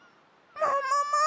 ももも！